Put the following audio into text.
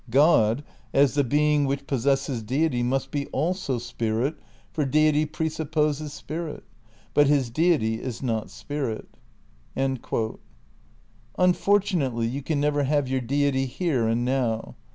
God, as the being which possesses deity must be also spirit, for ... deity presupposes spirit. ... But ... his deity is not spirit." ' Unfortunately you can never have your deity here and now.